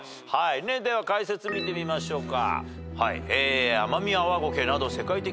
では解説見てみましょうか。